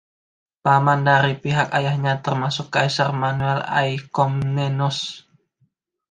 Paman dari pihak ayahnya termasuk Kaisar Manuel I Komnenos.